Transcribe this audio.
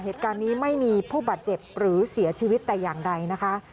เหตุการณ์นี้ไม่มีผู้บาดเจ็บหรือเสียชีวิตแต่อย่างใดนะคะ